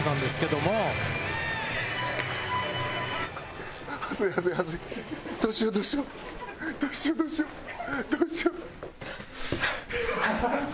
どうしよ。